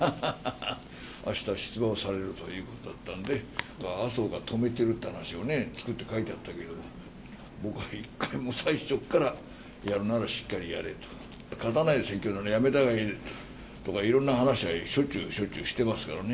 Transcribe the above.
あした出馬をされるということだったんで、麻生が止めているっていう話をちょこっと書いてあったけど、僕は一回も最初っからやるならしっかりやれと、勝たない選挙ならやめたほうがいいとか、いろんな話はしょっちゅうしょっちゅうしてますからね。